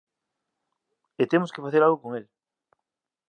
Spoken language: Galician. E temos que facer algo con el.